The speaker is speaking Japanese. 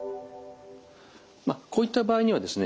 こういった場合にはですね